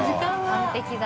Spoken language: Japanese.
完璧だ。